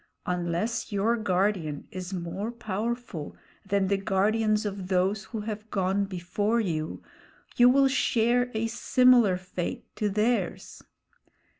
Unless your guardian is more powerful than the guardians of those who have gone before you, you will share a similar fate to theirs.